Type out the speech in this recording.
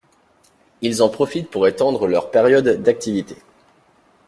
Ils en profitent pour étendre leur période d’activité.